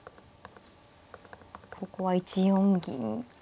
ここは１四銀。